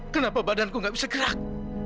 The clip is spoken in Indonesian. kenapa badanku gak bisa gerak